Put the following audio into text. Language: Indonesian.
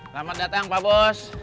selamat datang pak bos